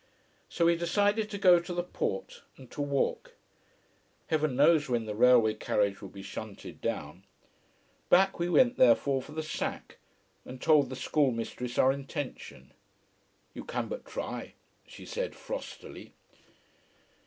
So we decided to go to the port and to walk. Heaven knows when the railway carriage would be shunted down. Back we went therefore for the sack, told the schoolmistress our intention. "You can but try," she said frostily.